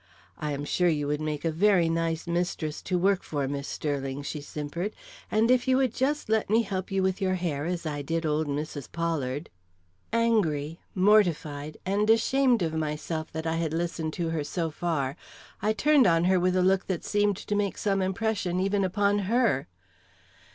I am sure you would make a very nice mistress to work for, Miss Sterling," she simpered; "and if you would just let me help you with your hair as I did old Mrs. Pollard " Angry, mortified, and ashamed of myself that I had listened to her so far, I turned on her with a look that seemed to make some impression even upon her.